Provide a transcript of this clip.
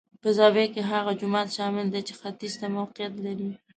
په زاویه کې هغه جومات شامل دی چې ختیځ ته موقعیت لري.